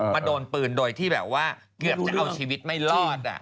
โดนปืนโดยที่แบบว่าเกือบจะเอาชีวิตไม่รอด